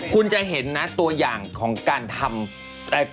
คุณจะเห็นนะตัวอย่างของการทำอะไร